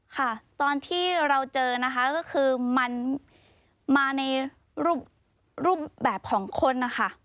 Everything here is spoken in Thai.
ค่ะตอนที่เราเจอนะคะก็คือมันมาในรูปแบบของคนนะคะ